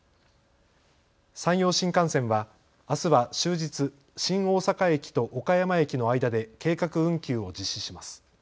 山陽新幹線はあすは終日、新大阪駅と岡山駅の間で計画運休を実施します。